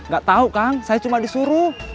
gak tahu kang saya cuma disuruh